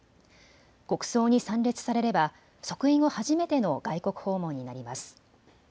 国葬に参列されれば即位後初めての外国訪問になります。